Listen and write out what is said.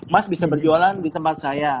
mas bisa berjualan di tempat saya